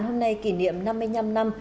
hôm nay kỷ niệm năm mươi năm năm